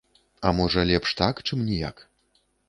А можа лепш так, чым ніяк?